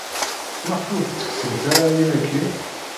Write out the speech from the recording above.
Maɣef ur tettekksemt ara aya akkin?